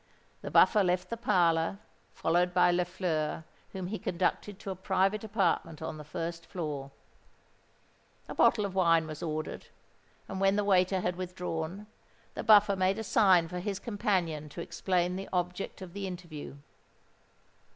The Buffer left the parlour, followed by Lafleur, whom he conducted to a private apartment on the first floor. A bottle of wine was ordered; and when the waiter had withdrawn, the Buffer made a sign for his companion to explain the object of the interview.